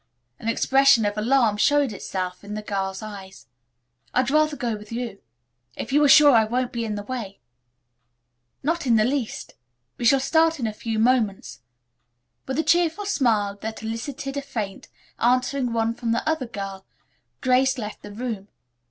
An expression of alarm showed itself in the girl's eyes. "I'd rather go with you, if you are sure I won't be in the way." "Not in the least. We shall start in a few moments." With a cheerful smile that elicited a faint, answering one from the other girl, Grace left the room.